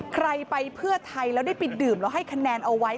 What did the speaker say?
ใครไปเพื่อไทยแล้วได้ไปดื่มแล้วให้คะแนนเอาไว้